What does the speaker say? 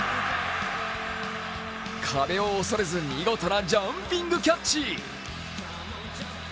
壁を恐れず見事なジャンピングキャッチ。